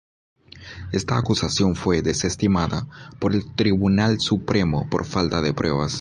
Esta acusación fue desestimada por el Tribunal Supremo por falta de pruebas.